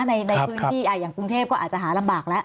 ในพื้นที่อย่างกรุงเทพก็อาจจะหาลำบากแล้ว